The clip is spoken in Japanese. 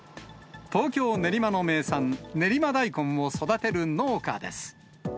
東京・練馬の名産、練馬大根を育てる農家です。